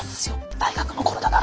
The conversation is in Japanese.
大学の頃だから。